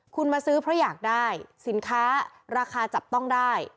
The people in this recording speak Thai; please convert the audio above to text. คุณมาซื้อเพราะอยากได้สินค้าราคาจับต้องได้